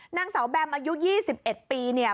นางสาวแบมอายุ๒๑ปีเนี่ย